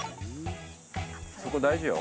そこ大事よ。